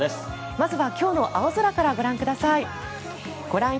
まずは今日の青空からご覧ください。